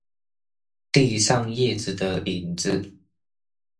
地上葉子的影子